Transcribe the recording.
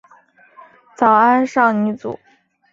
早安少女组。